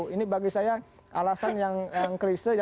ini bagi saya alasan yang krisis